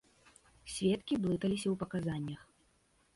Сведкі блыталіся ў паказаннях.